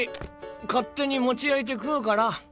勝手にモチ焼いて食うから。